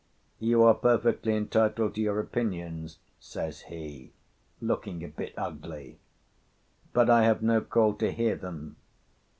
"You are perfectly entitled to your opinions," says he, looking a bit ugly, "but I have no call to hear them."